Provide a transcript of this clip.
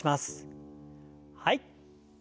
はい。